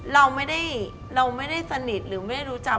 เราไม่ได้สนิทหรือไม่ได้รู้จัก